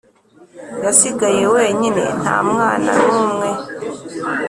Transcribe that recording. Yasigaye wenyine ntamwana numwe